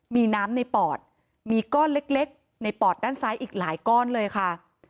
มีน้ำในปอดมีก้อนเล็กในปอดด้านซ้ายอีกหลายก้อนเลยค่ะ